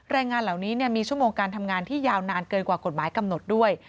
แรงงานเหล่านี้มีชั่วโมงการทำงานที่ยาวนานเกินกว่ากฎหมายกำหนดด้วย